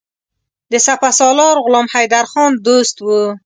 د سپه سالار غلام حیدرخان دوست وو.